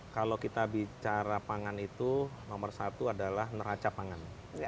kalau kita bicara pangan itu nomor satu adalah neraca pangan